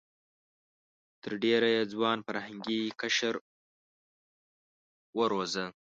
تر ډېره یې ځوان فرهنګي قشر وروزه.